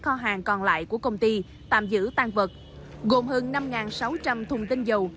kho hàng còn lại của công ty tạm giữ tăng vật gồm hơn năm sáu trăm linh thùng tinh dầu